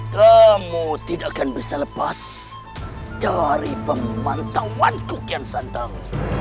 kamu tidak akan bisa lepas dari pemantauanku kian santang